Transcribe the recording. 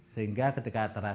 sehingga ketika terasa